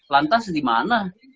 lantas di mana